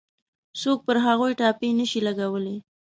څوک پر هغوی ټاپې نه شي لګولای.